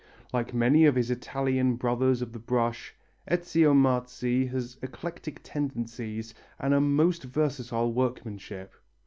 Like many of his Italian brothers of the brush, Ezio Marzi has eclectic tendencies and a most versatile workmanship.